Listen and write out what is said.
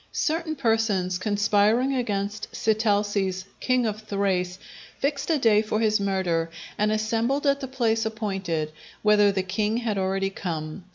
Certain persons conspiring against Sitalces, king of Thrace, fixed a day for his murder, and assembled at the place appointed, whither the king had already come.